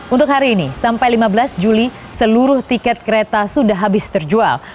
untuk hari ini sampai lima belas juli seluruh tiket kereta sudah habis terjual